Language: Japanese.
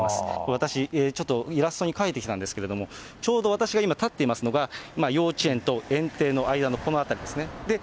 私、ちょっとイラストに描いてきたんですけれども、ちょうど私が今立っていますのが、幼稚園と園庭の間のこの辺りですね。